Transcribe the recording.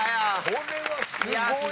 これはすごいな。